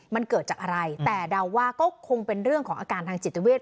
มันเกิดจากอะไรแต่เดาว่าก็คงเป็นเรื่องของอาการทางจิตเวท